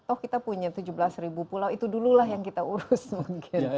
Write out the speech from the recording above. oh kita punya tujuh belas ribu pulau itu dululah yang kita urus mungkin